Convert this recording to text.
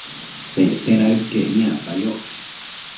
Secte daëd caic niacpayoc